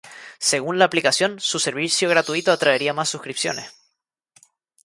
Según la aplicación, su servicio gratuito atraería más suscripciones.